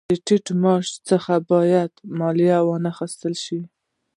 د ټیټ معاش څخه باید مالیه وانخیستل شي